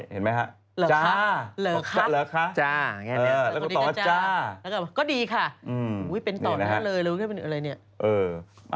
เห็นไหม